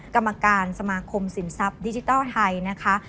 กรรมการสมาคมสินทรัพย์ดิจิทัลไทยนะคะ